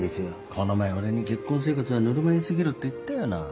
この前俺に結婚生活はぬるま湯過ぎるって言ったよな？